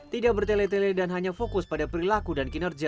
tidak bertele tele dan hanya fokus pada perilaku dan kinerja